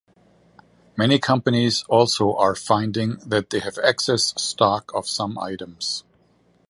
Many companies also are finding that they have excess stock of some items.